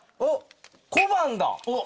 小判だ。